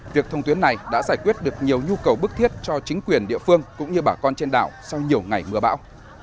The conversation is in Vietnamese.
việc thông tuyến này đã giải quyết được nhiều nhu cầu bức thiết cho chính quyền địa phương cũng như bà con trên đảo sau nhiều ngày mưa bão